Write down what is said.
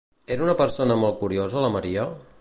Era una persona molt curiosa la Maria?